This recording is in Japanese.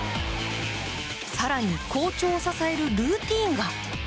更に好調を支えるルーティンが。